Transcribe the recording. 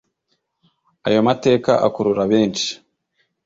Ayo mateka akurura benshi